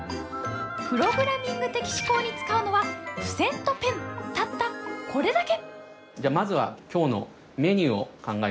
プログラミング的思考に使うのは付箋とペン、たったこれだけ！